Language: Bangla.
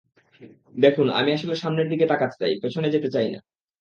দেখুন, আমি আসলে সামনের দিকে তাকাতে চাই, পেছনে যেতে চাই না।